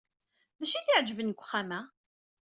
D acu ay t-iɛejben deg uxxam-a?